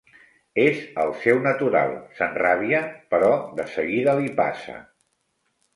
És el seu natural: s'enrabia, però de seguida li passa.